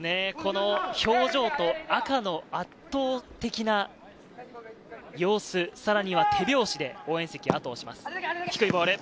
表情と赤の圧倒的な様子、さらには手拍子で応援席が後を押します。